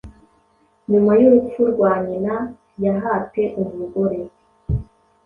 Nyuma yurupfu rwanyina yahate umugore